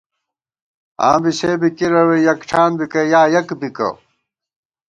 آں بی سے بی کِرَوے یَکٹھان بِکہ یا یَک بِکہ